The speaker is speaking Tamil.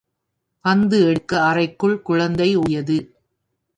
பந்து எடுக்க அறைக்குள் குழந்தை ஒடியது.